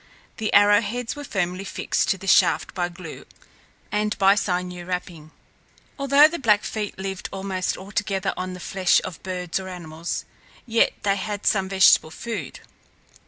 The arrow heads were firmly fixed to the shaft by glue and by sinew wrapping. Although the Blackfeet lived almost altogether on the flesh of birds or animals, yet they had some vegetable food.